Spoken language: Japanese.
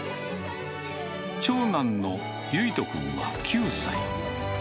長男のゆいと君は９歳。